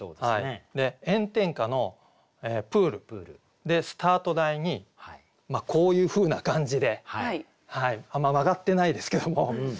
炎天下のプールでスタート台にこういうふうな感じであんま曲がってないですけども。